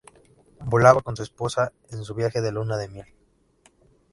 Volaba con su esposa en su viaje de luna de miel.